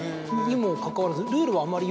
にもかかわらず。